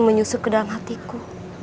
menyusup ke dalam hatiku